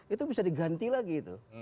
itu bisa diganti lagi itu